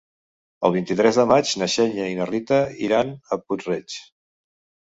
El vint-i-tres de maig na Xènia i na Rita iran a Puig-reig.